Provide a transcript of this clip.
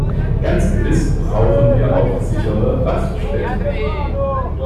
Ganz gewiss brauchen wir auch sichere Raststätten.